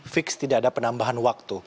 fix tidak ada penambahan waktu